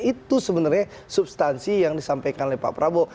itu sebenarnya substansi yang disampaikan oleh pak prabowo